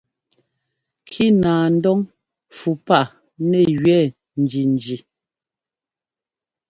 Kínaandɔn fú paʼ nɛ́ jʉɛ́ njinji.